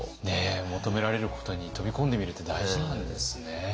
求められることに飛び込んでみるって大事なんですね。